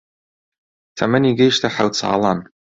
تەمەنی گەیشتە حەوت ساڵان